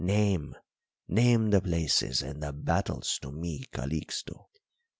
name name the places and the battles to me, Calixto?"